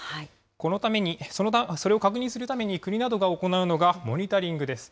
このために、それを確認するために、国などが行うのがモニタリングです。